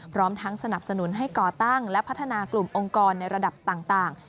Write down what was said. พร้อมทั้งสนับสนุนให้ก่อตั้งและพัฒนากลุ่มองค์กรในระดับต่าง